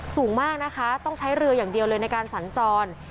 สูงมากนะคะต้องใช้เรืออย่างเดียวเลยในการสัญจร